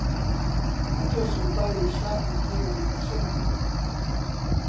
ئەتۆ سوڵتانی شاخ و کێو و چڕ بووی